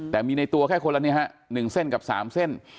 แต่มีในตัวแค่คนละนี้ฮะ๑เส้นกับ๓เส้น